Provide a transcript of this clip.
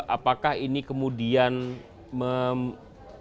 apakah ini kemudian memudahkan